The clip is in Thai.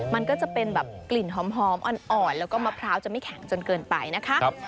มันก็จะเป็นแบบกลิ่นหอมอ่อนแล้วก็มะพร้าวจะไม่แข็งจนเกินไปนะคะ